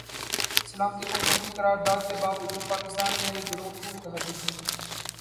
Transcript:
سلامتی کونسل کی قرارداد کے باجود پاکستان میں یہ گروہ کیوں متحرک ہیں؟